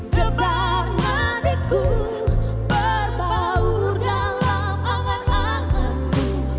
getar nadiku berbaur dalam angan anganmu